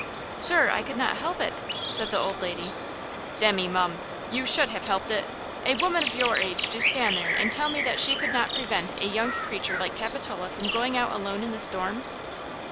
"Sir, I could not help it!" said the old lady. "Demmy, mum! You should have helped it! A woman of your age to stand there and tell me that she could not prevent a young creature like Capitola from going out alone in the storm!"